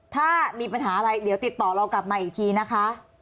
ถ้ามีปัญหาอะไรเดี๋ยวติดต่อเรากลับมาอีกทีนะคะ